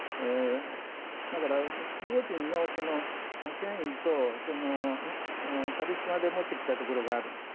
だからプリゴジンの権威とカリスマで持ってきたところがあるんです。